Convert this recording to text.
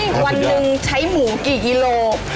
วันหนึ่งใช้หมูกี่กิโล